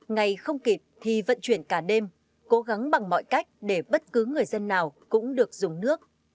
ngày không kịp thì vận chuyển cả đêm cố gắng bằng mọi cách để bất cứ người dân nào cũng được dùng nước